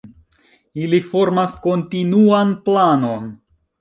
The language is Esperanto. Ili formas kontinuan planon.